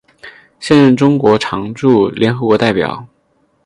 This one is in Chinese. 现任中国常驻联合国代表。